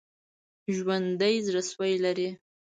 ژوندي زړسوي لري